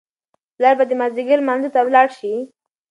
پلار به د مازیګر لمانځه ته ولاړ شي.